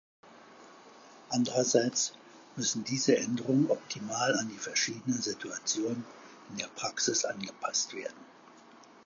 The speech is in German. Andererseits müssen diese Änderungen optimal an die verschiedenen Situationen in der Praxis angepasst werden.